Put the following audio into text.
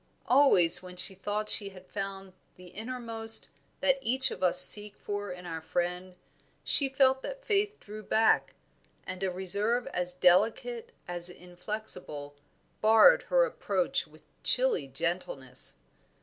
Always when she thought she had found the innermost that each of us seek for in our friend, she felt that Faith drew back, and a reserve as delicate as inflexible barred her approach with chilly gentleness.